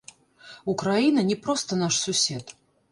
Украіна не проста наш сусед.